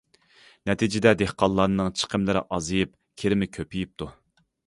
نەتىجىدە دېھقانلارنىڭ چىقىملىرى ئازىيىپ، كىرىمى كۆپىيىپتۇ.